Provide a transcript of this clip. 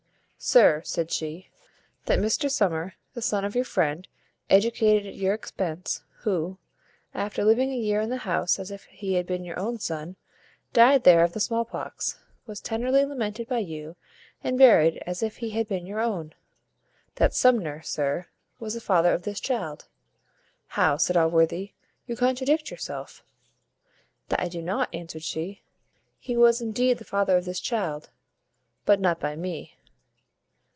"Sir," said she, "that Mr Summer, the son of your friend, educated at your expense, who, after living a year in the house as if he had been your own son, died there of the small pox, was tenderly lamented by you, and buried as if he had been your own; that Summer, sir, was the father of this child." "How!" said Allworthy; "you contradict yourself." "That I do not," answered she; "he was indeed the father of this child, but not by me."